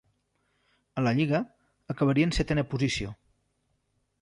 A lliga, acabaria en setena posició.